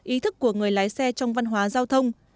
ý thức của người lái xe trong văn hóa giao thông